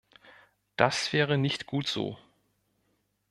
Das wäre nicht gut so.